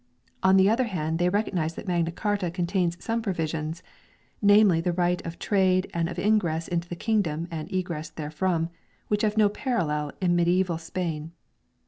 On the other hand they recognize that Magna Carta con tains some provisions namely the right of trade and of ingress into the kingdom and egress therefrom which have no parallel in mediaeval Spain.